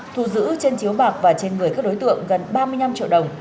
thu giữ trên chiếu bạc và trên người các đối tượng gần ba mươi năm triệu đồng